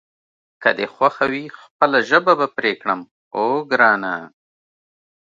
که دې خوښه وي خپله ژبه به پرې کړم، اوه ګرانه.